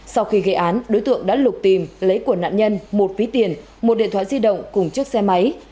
sau khi gây án đối tượng đã lục tìm lấy của nạn nhân một ví tiền một điện thoại di động cùng chiếc xe máy